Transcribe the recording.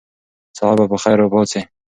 سهار به په خیر پاڅئ.